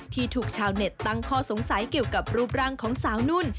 ที่ถูกชาวเน็ตตั้งข้อสงสัยเกี่ยวกับรูปร่างของสาวนุ่น